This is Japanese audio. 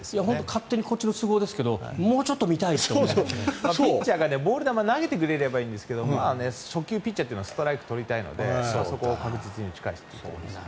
勝手にこっちの都合ですけどピッチャーがボール球を投げてくれればいいんですが初球ピッチャーというのはストライクを取りたいのでそこを確実に打ち返すと。